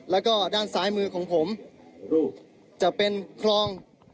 แล้วก็ด้านซ้ายมือของผมจะเป็นคลอง